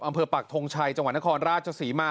อำเภอปักธงชัยจังหวันธครราชศรีมา